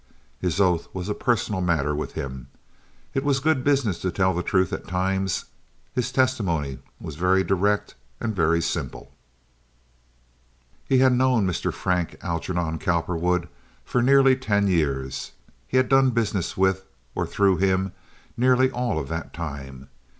His oath was a personal matter with him. It was good business to tell the truth at times. His testimony was very direct and very simple. He had known Mr. Frank Algernon Cowperwood for nearly ten years. He had done business with or through him nearly all of that time.